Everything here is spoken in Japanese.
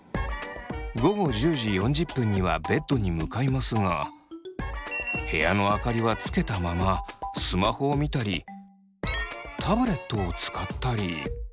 午後１０時４０分にはベッドに向かいますが部屋の明かりはつけたままスマホを見たりタブレットを使ったり。